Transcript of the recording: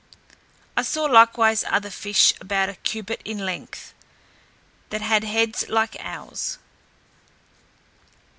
I saw likewise other fish about a cubit in length, that had heads like owls.